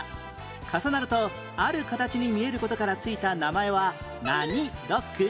重なるとある形に見える事から付いた名前は何ロック？